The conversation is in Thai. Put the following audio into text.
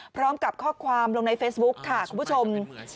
พร้อมกับข้อความลงในเฟซบุ๊คค่ะคุณผู้ชม